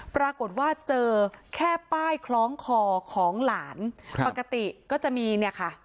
ปรากฏว่าเจอแค่ป้ายคล้องคอของหลานปกติก็จะมีเนี่ยค่ะ